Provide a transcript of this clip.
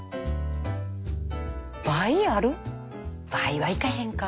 倍はいかへんか。